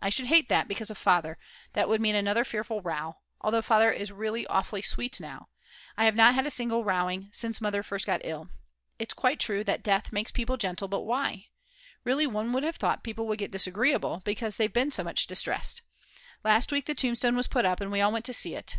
I should hate that because of Father; that would mean another fearful row; although Father is really awfully sweet now; I have not had a single rowing since Mother first got ill. It's quite true that death makes people gentle, but why? Really one would have thought people would get disagreeable, because they've been so much distressed. Last week the tombstone was put up and we all went to see it.